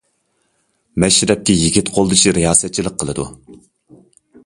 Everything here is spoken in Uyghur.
مەشرەپكە يىگىت قولدىشى رىياسەتچىلىك قىلىدۇ.